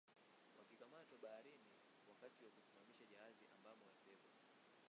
Wakikamatwa baharini wakati wa kusimamisha jahazi ambamo walibebwa